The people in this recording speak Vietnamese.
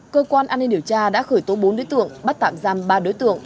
cơ quan an ninh điều tra đã khởi tố bốn đối tượng bắt tạm giam ba đối tượng